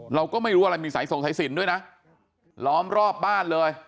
เราก็ไม่รู้อะไรมีสายส่งสายสินด้วยนะล้อมรอบบ้านเลย